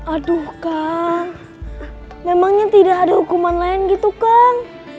aduh kah memangnya tidak ada hukuman lain gitu kang